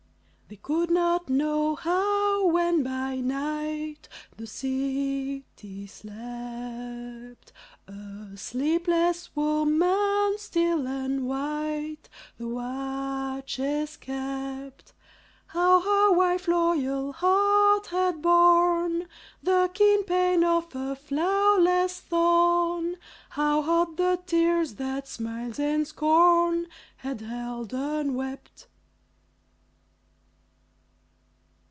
They could not know how, when by night The city slept, A sleepless woman, still and white, The watches kept; How her wife loyal heart had borne The keen pain of a flowerless thorn, How hot the tears that smiles and scorn Had held unwept.